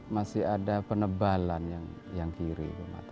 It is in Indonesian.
masih ada penebalan yang kiri